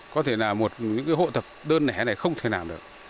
có thể là một những hộ tập đơn lẻ này không thể làm được